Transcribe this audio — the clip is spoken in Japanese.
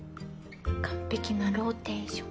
完璧なローテーション。